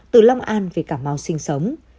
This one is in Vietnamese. từ long an về cảm mau sinh sống